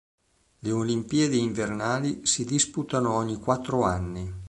Le Olimpiadi invernali si disputano ogni quattro anni.